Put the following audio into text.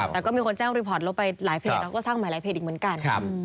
แต่ก็มีคนแจ้งรีพอร์ตลบไปหลายเพจแล้วก็สร้างใหม่หลายเพจอีกเหมือนกัน